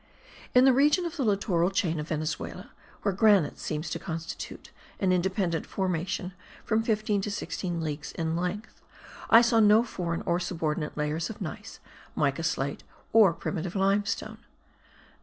In the region of the littoral chain of Venezuela, where granite seems to constitute an independent formation from 15 to 16 leagues in length, I saw no foreign or subordinate layers of gneiss, mica slate or primitive limestone.